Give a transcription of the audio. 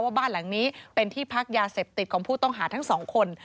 บ้านหลังนี้เป็นที่พักยาเสพติดของผู้ต้องหาทั้งสองคน